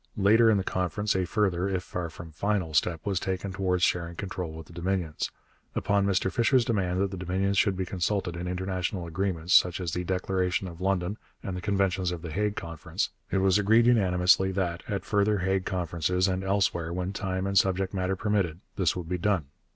Later in the Conference a further, if far from final, step was taken towards sharing control with the Dominions. Upon Mr Fisher's demand that the Dominions should be consulted in international agreements such as the Declaration of London and the conventions of the Hague Conference, it was agreed unanimously that, at further Hague Conferences and elsewhere when time and subject matter permitted, this would be done.